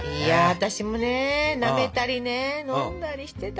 私もねなめたりね飲んだりしてた。